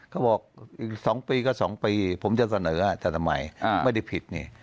เขาบอกอีก๒ปีก็๒ปีผมจะเสนอแต่ทำไมไม่ได้ผิดนี่